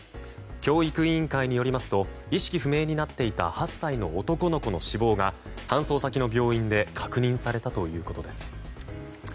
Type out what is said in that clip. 教育委員会によりますと意識不明になっていた８歳の男の子の死亡が搬送先の病院で確認されたということです。